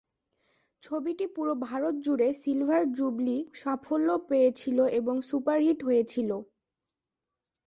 ছবিটি পুরো ভারত জুড়ে সিলভার-জুবলী সাফল্য পেয়েছিল এবং সুপারহিট হয়েছিল।